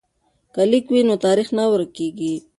که لیک وي نو تاریخ نه ورکیږي.